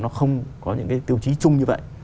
nó không có những cái tiêu chí chung như vậy